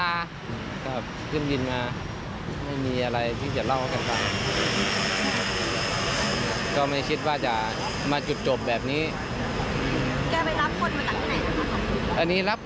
อันนี้ผมยังไม่แน่ใจครับ